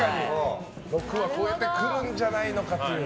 ６は超えてくるんじゃないのかという。